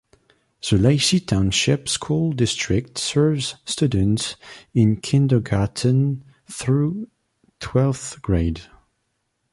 The Lacey Township School District serves students in kindergarten through twelfth grade.